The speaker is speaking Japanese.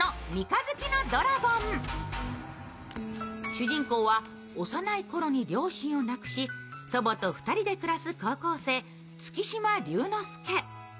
主人公は幼いころに両親を亡くし祖母と２人で暮らす高校生月島龍之介